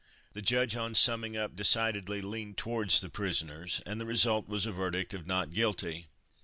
The judge on summing up decidedly leaned towards the prisoners, and the result was a verdict of "Not Guilty."